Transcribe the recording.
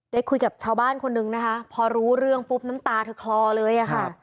ได้คุยกับชาวบ้านคนนึงนะคะพอรู้เรื่องปุ๊บน้ำตาเธอคลอเลยอะค่ะ